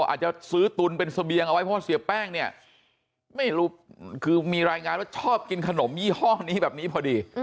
อาจจะซื้อตุนเป็นเสบียงเอาไว้เพราะว่าเสียแป้งเนี่ยไม่รู้คือมีรายงานว่าชอบกินขนมยี่ห้อนี้แบบนี้พอดี